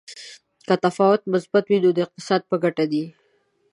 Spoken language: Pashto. که تفاوت مثبت وي نو د اقتصاد په ګټه دی.